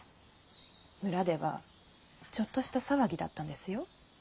村ではちょっとした騒ぎだったんですよ。